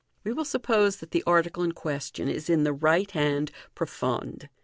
We will suppose that the article in question is in the right hand profonde.